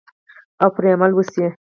او پرې عمل وشي.